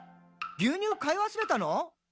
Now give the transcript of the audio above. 牛乳買い忘れたの？」